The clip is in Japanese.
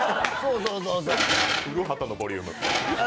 古畑のボリューム。